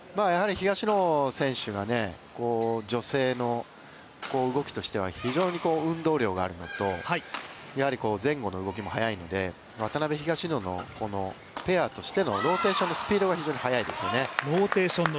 東野選手が女性の動きとしては非常に運動量があるのとやはり、前後の動きも速いので渡辺・東野のペアとしてのローテーションのスピードが非常に速いですよね。